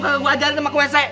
kagak gue ajarin sama ke wc